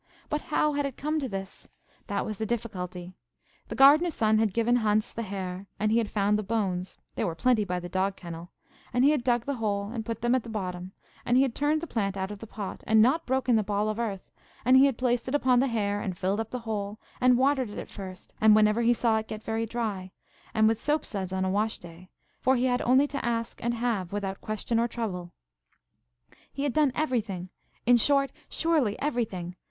But how had it come to this? That was the difficulty. The gardener's son had given Hans the hair, and he had found the bones,–there were plenty by the dog kennel; and he had dug the hole and put them at the bottom; and he had turned the plant out of the pot, and not broken the ball of earth; and he had placed it upon the hair, and filled up the hole; and watered it at first, and whenever he saw it get very dry, and with soap suds on a wash day; for he had only to ask and have, without question or trouble. He had done everything, in short–surely everything!